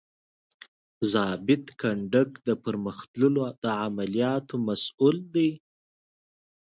ضابط کنډک د پرمخ تللو د عملیاتو مسؤول دی.